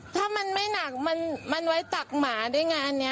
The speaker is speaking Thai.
ถ้ามันไม่หนักมันไว้ตักหมาด้วยงานนี้